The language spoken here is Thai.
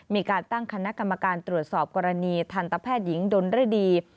มีการตั้งคณะกรรมการตรวจสอบกรณีทันตแพทย์หญิงดนฤดี